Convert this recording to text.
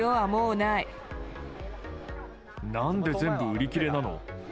なんで全部売り切れなの？